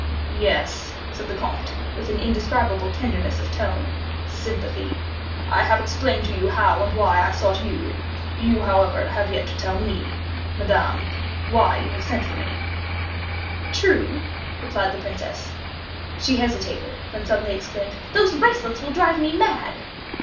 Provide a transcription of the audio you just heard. "Yes," said the comte, with an indescribable tenderness of tone, "sympathy. I have explained to you how and why I sought you; you, however, have yet to tell me, Madame, why you sent for me." "True," replied the princess. She hesitated, and then suddenly exclaimed, "Those bracelets will drive me mad."